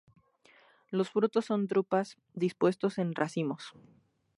Los frutos son drupas dispuestos en racimos.